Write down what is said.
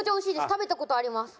食べた事あります。